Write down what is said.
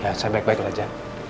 ya saya baik baik saja